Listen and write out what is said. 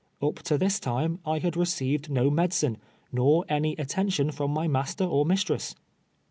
Up to this time I had received no medicine, nor any attention from my master or mistress.